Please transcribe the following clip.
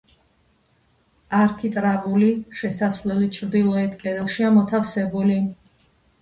არქიტრავული შესასვლელი ჩრდილოეთ კედელშია მოთავსებული.